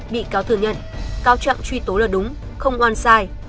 bị cáo thừa nhận cáo chặng truy tố là đúng không oan sai